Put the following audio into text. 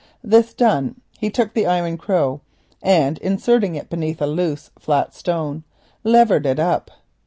This done he took the iron crow, and inserting it beneath a loose flat stone levered it up.